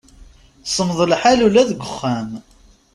Semmeḍ lḥal ula deg uxxam.